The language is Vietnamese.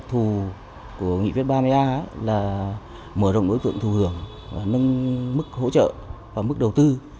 thủ của nghị viết ba mươi a là mở rộng đối tượng thù hưởng và nâng mức hỗ trợ và mức đầu tư